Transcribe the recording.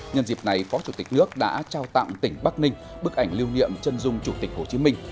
nhân dịp này phó chủ tịch nước đã trao tặng tỉnh bắc ninh bức ảnh lưu niệm chân dung chủ tịch hồ chí minh